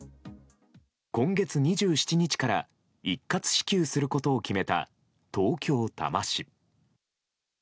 今月２７日から一括支給することを決めた東京・多摩市。